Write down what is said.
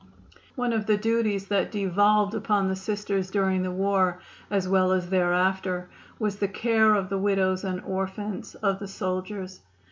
One of the duties that devolved upon the Sisters during the war, as well as thereafter, was the care of the widows and orphans of the soldiers.